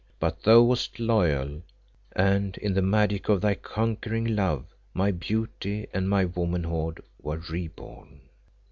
But thou wast loyal, and in the magic of thy conquering love my beauty and my womanhood were re born.